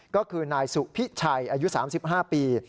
ก็คือนายสุพิชัยอายุ๓๕ปี